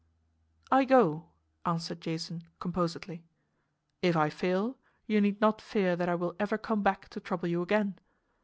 "I go," answered Jason composedly. "If I fail, you need not fear that I will ever come back to trouble you again.